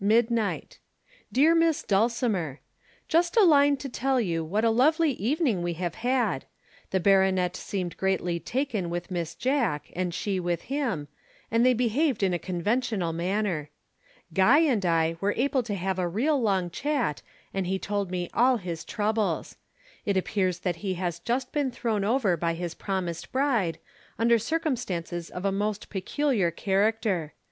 "Midnight. "DEAR MISS DULCIMER, "Just a line to tell you what a lovely evening we have had. The baronet seemed greatly taken with Miss Jack and she with him, and they behaved in a conventional manner. Guy and I were able to have a real long chat and he told me all his troubles. It appears that he has just been thrown over by his promised bride under circumstances of a most peculiar character.